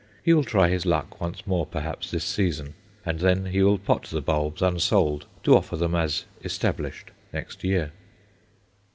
He will try his luck once more perhaps this season; and then he will pot the bulbs unsold to offer them as "established" next year.